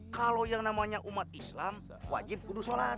kalau yang namanya umat islam wajib kudus sholat